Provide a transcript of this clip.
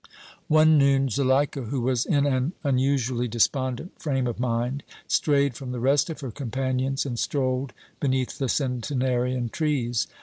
One noon Zuleika, who was in an unusually despondent frame of mind, strayed from the rest of her companions and strolled beneath the centenarian trees.